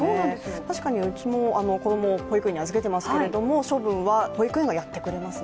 確かにうちも子供を保育園に預けていますけど処分は保育園がやってくれていますね。